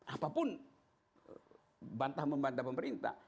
apapun bantah membantah pemerintah